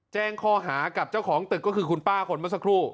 แจ้งข้อหากับเจ้าของตึกก็คือคุณป้าคนเมื่อสักครู่